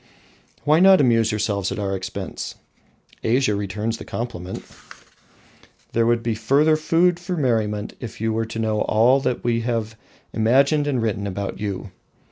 Why not amuse yourselves at our expense? Asia returns the compliment. There would be further food for merriment if you were to know all that we have imagined and written about you.